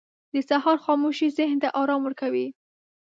• د سهار خاموشي ذهن ته آرام ورکوي.